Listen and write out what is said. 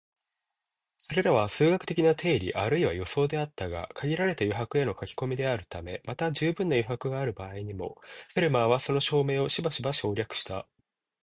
それらは数学的な定理あるいは予想であったが、限られた余白への書き込みであるため、また充分な余白がある場合にも、フェルマーはその証明をしばしば省略した